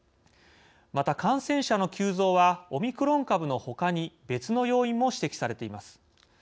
また、感染者の急増はオミクロン株のほかに別の要因も指摘されています。